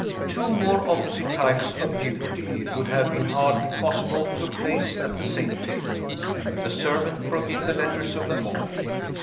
Two more opposite types of beauty it would have been hardly possible to place at the same table. The servant brought in the letters of the morning.